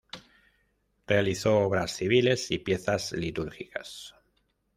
Realizó obras civiles y piezas litúrgicas.